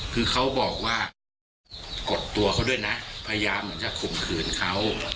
คือเขาบอกว่ากดตัวเขาด้วยนะพยายามเหมือนจะข่มขืนเขา